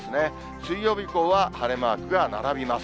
水曜日以降は晴れマークが並びます。